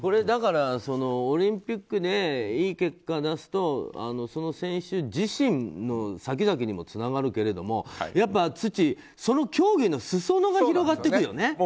だからオリンピックでいい結果出すとその選手自身の先々にもつながるけれどもやっぱり、ツッチーその競技の裾野が広がっていくよね。